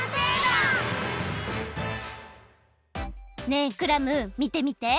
ねえクラムみてみて。